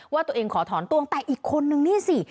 ว่าตัวเองขอถอนตัวแต่อีกคนนึงนี่สิ